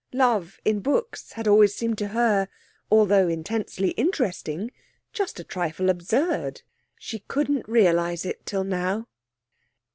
Love in books had always seemed to her, although intensely interesting, just a trifle absurd. She couldn't realise it till now.